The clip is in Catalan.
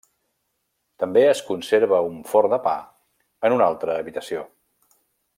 També es conserva un forn de pa en una altra habitació.